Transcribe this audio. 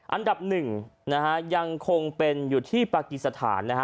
อันดับหนึ่งนะฮะยังคงเป็นอยู่ที่ปากีสถานนะฮะ